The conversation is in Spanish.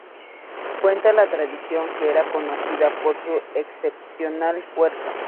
Cuenta la tradición que era conocida por su excepcional fuerza.